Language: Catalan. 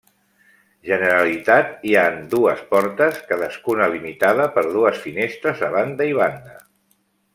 Generalitat, hi han dues portes, cadascuna limitada per dues finestres a banda i banda.